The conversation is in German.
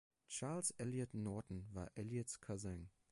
Charles Eliot Norton war Eliots Cousin.